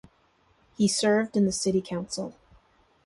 He served in the city council.